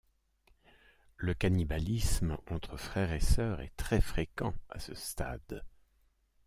Le cannibalisme entre frères et sœurs est très fréquent à ce stade.